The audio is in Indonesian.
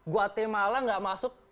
guatemala nggak masuk